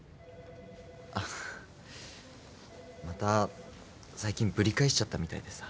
あっまた最近ぶり返しちゃったみたいでさ。